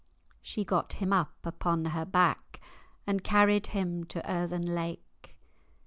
"She got him up upon her backe, And carried him to earthen lake.